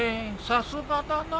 さすがだな。